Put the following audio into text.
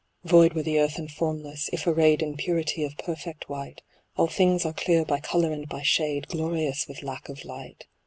Void were the earth and formless, if arrayed In purity of perfect white ; All things are clear by colour and by shade. Glorious with lack of light.